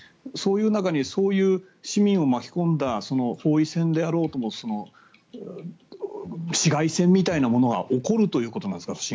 そういう中にそういう市民を巻き込んだ包囲戦であろうとも市街戦みたいなものは起こるということですか？